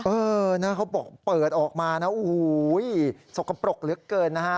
เออนะเขาบอกเปิดออกมานะโอ้โหสกปรกเหลือเกินนะฮะ